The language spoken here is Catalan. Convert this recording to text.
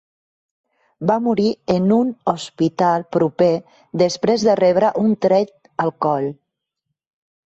Va morir en un hospital proper després de rebre un tret al coll.